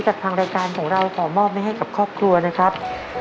ทางรายการของเราขอมอบไว้ให้กับครอบครัวนะครับ